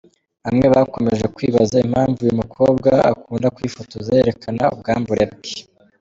Bamwe bakomeje kwibaza impamvu uyu mukobwa akunda kwifotoza yerekana ubwambure bwe .